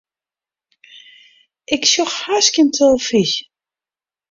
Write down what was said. Ik sjoch hast gjin telefyzje.